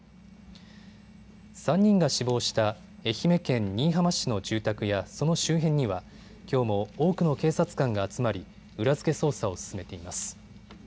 ３人が死亡した愛媛県新居浜市の住宅やその周辺にはきょうも多くの警察官が集まり裏付け捜査を進めています。